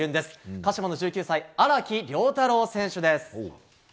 鹿島の１９歳荒木遼太郎選手です。